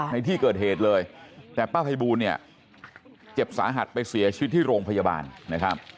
ในที่เกิดเหตุเลยแต่ป้าภัยบูลเนี่ยเจ็บสาหัสไปเสียชีวิตที่โรงพยาบาลนะครับ